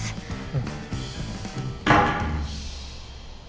うん。